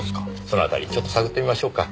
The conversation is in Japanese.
その辺りちょっと探ってみましょうか。